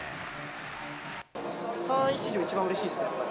３位史上一番うれしいですね。